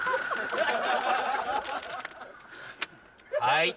はい。